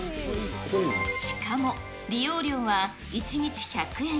しかも、利用料は１日１００円。